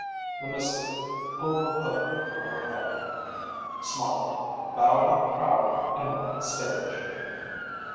The mystic pulled the hood from her head, smiled, bowed at the crowd, and left the stage.